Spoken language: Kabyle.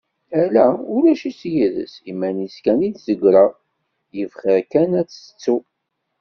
Ala! Ulac-itt yid-s, iman-is i d-tegra, yif xir kan ad tt-tettu.